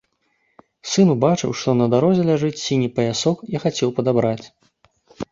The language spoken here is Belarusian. Сын убачыў, што на дарозе ляжыць сіні паясок і хацеў падабраць.